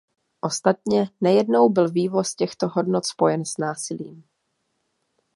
Ostatně nejednou byl vývoz těchto hodnot spojen s násilím.